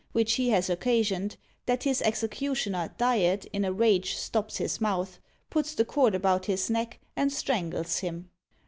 which he has occasioned, that his executioner Diet in a rage stops his mouth, puts the cord about his neck, and strangles him.